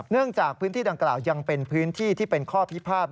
จากพื้นที่ดังกล่าวยังเป็นพื้นที่ที่เป็นข้อพิพาท